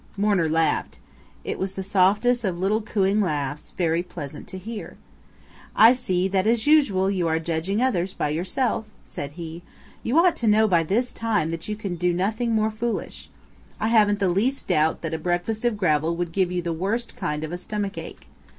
Mourner laughed. It was the softest of little cooing laughs, very pleasant to hear. "I see that as usual you are judging others by yourself," said he. "You ought to know by this time that you can do nothing more foolish. I haven't the least doubt that a breakfast of gravel would give you the worst kind of a stomach ache.